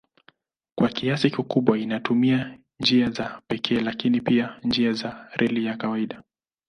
Kwa kiasi kikubwa inatumia njia za pekee lakini pia njia za reli ya kawaida.